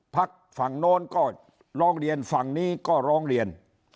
พักฝั่งโน้นก็ร้องเรียนฝั่งนี้ก็ร้องเรียน